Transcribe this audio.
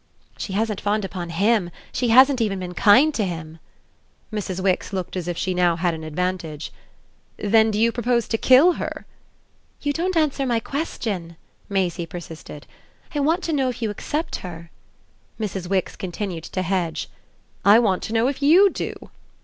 "She hasn't fawned upon HIM. She hasn't even been kind to him." Mrs. Wix looked as if she had now an advantage. "Then do you propose to 'kill' her?" "You don't answer my question," Maisie persisted. "I want to know if you accept her." Mrs. Wix continued to hedge. "I want to know if YOU do!"